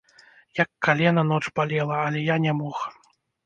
Як калена ноч балела, але я не мог.